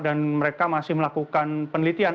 dan mereka masih melakukan penelitian